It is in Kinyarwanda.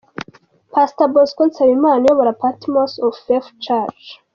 Pastor Bosco Nsabimana uyobora Patmos of Faith church.